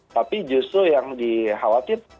tapi justru yang dikhawatir